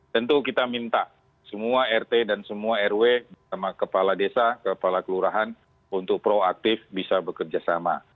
tentu kita minta semua rt dan semua rw bersama kepala desa kepala kelurahan untuk proaktif bisa bekerja sama